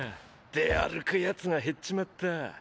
出歩く奴が減っちまった。